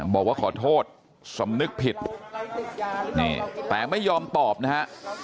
บอกว่าขอโทษสำนึกผิดนี่แต่ไม่ยอมตอบนะฮะ